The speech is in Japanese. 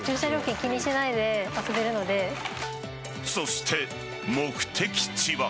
そして目的地は。